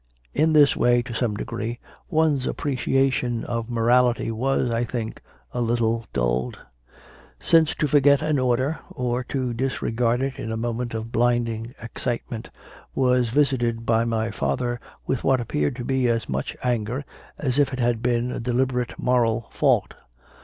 In this way, to some degree, one s apprecia tion of morality was, I think, a little dulled: since to forget an order, or to disregard it in a moment of blinding excitement, was visited by my father with what appeared to be as much anger as if it had been a deliberate moral fault.